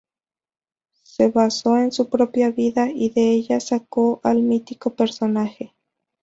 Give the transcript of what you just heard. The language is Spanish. Se basó en su propia vida y de ella sacó al mítico personaje.